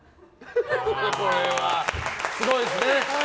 これはすごいですね。